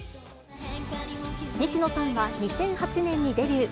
西野さんは２００８年にデビュー。